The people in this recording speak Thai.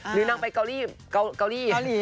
หรือนางไปเกาหลีเกาหลี